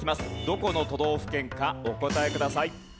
どこの都道府県かお答えください。